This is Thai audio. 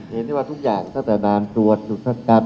เห็นได้ว่าทุกอย่างตั้งแต่ด่านตรวจตรวจสัตว์กัด